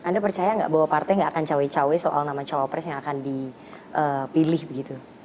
anda percaya nggak bahwa partai gak akan cawe cawe soal nama cawapres yang akan dipilih begitu